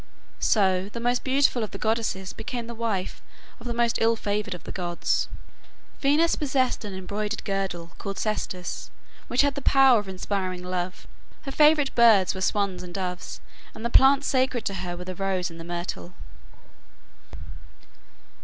So the most beautiful of the goddesses became the wife of the most ill favored of gods. Venus possessed an embroidered girdle called Cestus, which had the power of inspiring love. Her favorite birds were swans and doves, and the plants sacred to her were the rose and the myrtle.